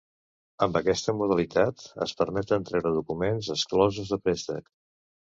Amb aquesta modalitat es permeten treure documents exclosos de préstec.